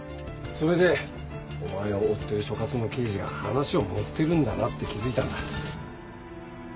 それでお前を追ってる所轄の刑事が話を盛ってるんだなって気付いたんだ。